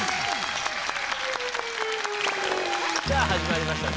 さあ始まりました